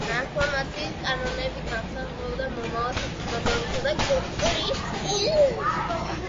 მათ სწამდათ, რომ სივრცისა და ფუნქციონალური ტრანსფორმაციის კანონები განსაზღვრავდა მომავალს საზოგადოებისა და კულტურისთვის.